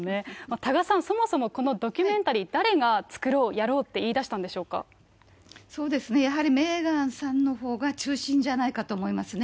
多賀さん、そもそもこのドキュメンタリー、誰が作ろう、やろうって言い出したやはりメーガンさんのほうが中心じゃないかと思いますね。